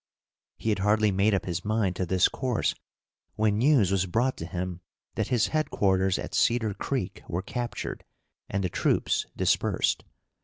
He had hardly made up his mind to this course, when news was brought to him that his headquarters at Cedar Creek were captured, and the troops dispersed.